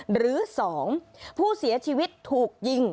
หรือ๒ผู้เสียชีวิตถูกยิง